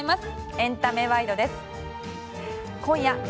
エンタメワイドです。